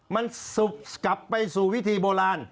มันสุกกลับไปสู่วิธีโบราณ